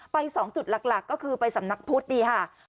๒จุดหลักก็คือไปสำนักพุทธนี่ค่ะ